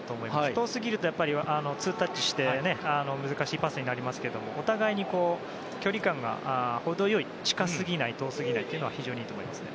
遠すぎるとツータッチして難しいパスになりますがお互いに距離感が程良い近すぎない遠すぎないっていうのは非常にいいと思いますね。